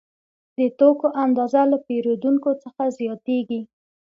د توکو اندازه له پیرودونکو څخه زیاتېږي